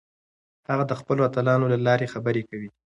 هغه د خپلو اتلانو له لارې خبرې کوي.